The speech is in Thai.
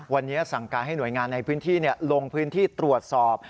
วันนี้สั่งการให้หน่วยงานในพื้นที่ลงพื้นที่ตรวจสอบ